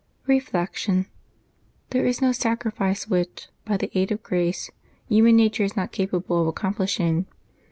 Reflection. — There is no sacrifice which, by the aid of grace, human nature is not capable of accomplishing.